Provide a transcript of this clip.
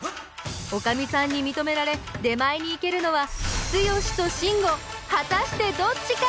おかみさんにみとめられ出前に行けるのはツヨシとシンゴ果たしてどっちか！？